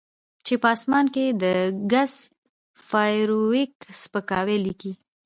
چې په اسمان کې د ګس فارویک سپکاوی لیکي